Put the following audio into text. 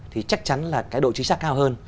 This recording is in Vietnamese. thì chắc chắn là cái độ trí sắc cao hơn